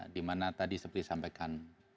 di mana tadi seperti disampaikan